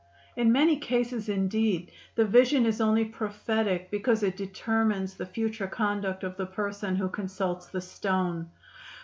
In many cases, indeed, the vision is only prophetic because it determines the future conduct of the person who consults the stone.